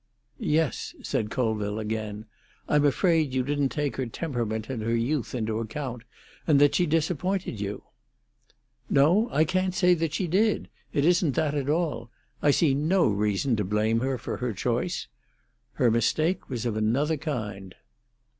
"Yes," said Colville again. "I'm afraid you didn't take her temperament and her youth into account, and that she disappointed you." "No; I can't say that she did. It isn't that at all. I see no reason to blame her for her choice. Her mistake was of another kind."